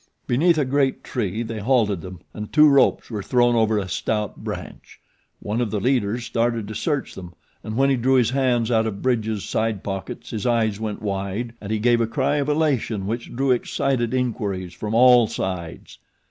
Beneath a great tree they halted them, and two ropes were thrown over a stout branch. One of the leaders started to search them; and when he drew his hands out of Bridge's side pockets his eyes went wide, and he gave a cry of elation which drew excited inquiries from all sides.